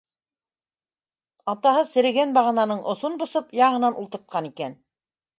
Атаһы серегән бағананың осон бысып, яңынан ултыртҡан икән.